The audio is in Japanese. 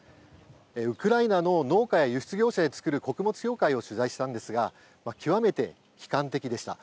ウクライナの農家や輸出業者でつくる穀物協会を取材したんですが極めて悲観的でした。